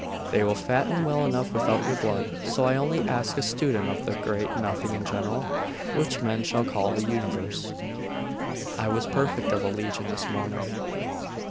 They will fatten well enough without your blood. So I only ask as a student of the great nothing in general, which men call the universe.' 'I was prefect of a legion this morning.